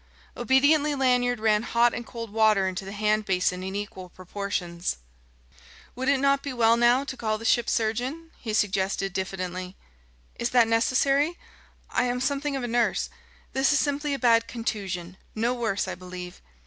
Obediently Lanyard ran hot and cold water into the hand basin in equal proportions. "Would it not be well now to call the ship's surgeon?" he suggested diffidently. "Is that necessary? I am something of a nurse. This is simply a bad contusion no worse, I believe.